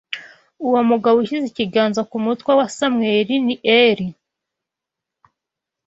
Uwo mugabo ushyize ikiganza ku mutwe wa Samweli ni Eli